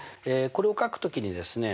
これを書く時にですね